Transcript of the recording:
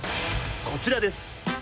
こちらです！